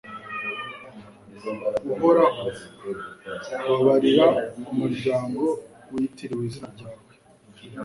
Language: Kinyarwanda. uhoraho, babarira umuryango witiriwe izina ryawe